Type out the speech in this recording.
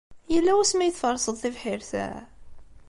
Yella wasmi ay tferseḍ tibḥirt-a?